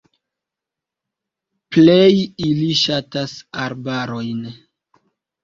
Plej ili ŝatas arbarojn.